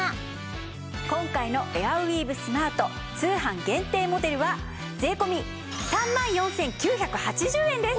今回のエアウィーヴスマート通販限定モデルは税込３万４９８０円です！